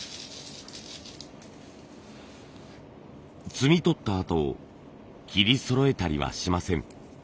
摘み取ったあと切りそろえたりはしません。